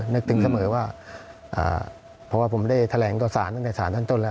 นึกถึงเสมอว่าเพราะว่าผมได้แถลงตัวศาลในศาลท่านจนแล้ว